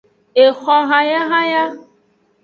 Exohayahaya.